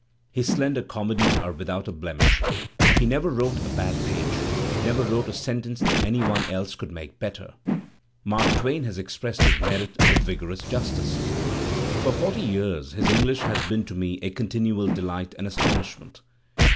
His slender comedies are / P ...:: r^ s T *^^. without a blemish. Helieve? wrote a bad page, never (wrote a sentence that any one else could make better. Mark A Twain has expressed his merit with vigorous justice: "For forty years his English has been to me a continual delight and astonishment.